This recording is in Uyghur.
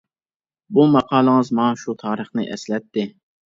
بۇ ماقالىڭىز ماڭا شۇ تارىخنى ئەسلەتتى.